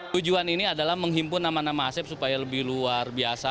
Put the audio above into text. tujuan ini adalah menghimpun nama nama asep supaya lebih luar biasa